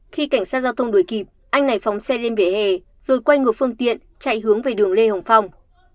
khi cảnh sát giao thông đuổi kịp anh này phóng xe lên vỉa hè rồi quay ngược phương tiện chạy hướng về đường lê hồng phong